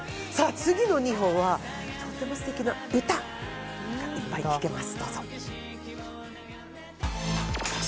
次の２本は、とってもすてきな歌がいっぱい聴けます。